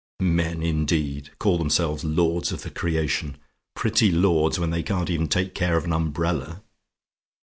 "Men, indeed! call themselves lords of the creation! pretty lords, when they can't even take care of an umbrella!